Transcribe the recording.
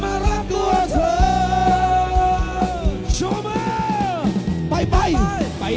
ถ้าแค่อยากมาเถิดมารับกลัวเถิด